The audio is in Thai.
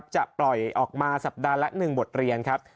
จะปล่อยออกมาสัปดาห์ละ๑บทเรียนครับ